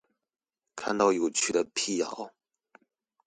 看到有趣的闢謠